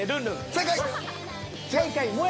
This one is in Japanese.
正解。